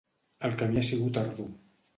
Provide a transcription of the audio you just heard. El camí ha sigut ardu.